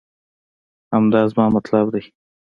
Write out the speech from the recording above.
همدا زما مطلب دی